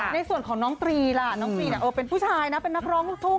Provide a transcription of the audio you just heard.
ในส่วนของน้องตรีล่ะน้องตรีเป็นผู้ชายนะเป็นนักร้องลูกทุ่ง